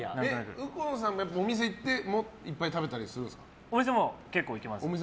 右近さんお店行っていっぱい食べたりするんですか。